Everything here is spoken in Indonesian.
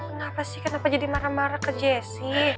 kenapa sih kenapa jadi marah marah ke jessi